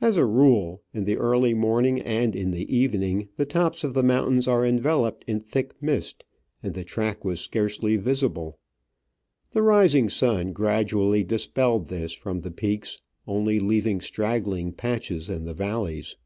As a rule, in the early morning and in the evening the tops of the mountains are enve loped in thick mist, and the track was scarcely visible. The rising sun gradually dispelled this from the peaks, only leaving straggling patches in the valleys.